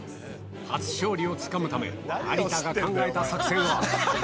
初勝利をつかむため、有田が考えた作戦は。